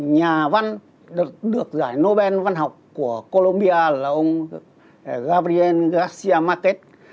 nhà văn được giải nobel văn học của colombia là ông gabriel garcía márquez